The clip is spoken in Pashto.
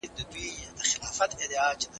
ژبه کلتوري ريښې ساتي.